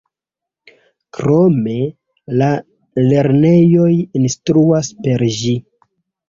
Krome, la lernejoj instruas per ĝi.